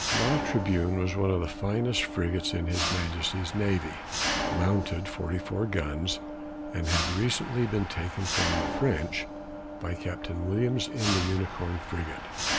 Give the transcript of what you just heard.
La Tribune was one of the finest frigates in his Majesty's navy, mounted 44 guns, and had recently been taken from the French by Captain Williams in the Unicorn frigate.